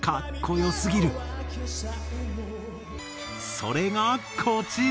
それがこちら。